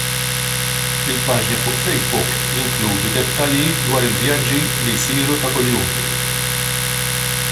Il-paġni fuq Facebook jinkludu dettalji dwar il-vjaġġi li jsiru ta' kuljum.